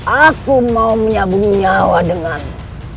aku mau menyabungi nyawa denganmu